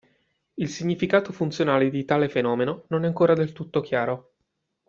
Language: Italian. Il significato funzionale di tale fenomeno non è ancora del tutto chiaro.